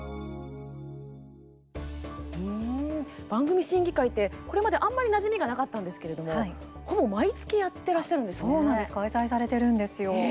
番組審議会ってこれまであんまりなじみがなかったんですけれどもほぼ毎月開催されてるんですよ。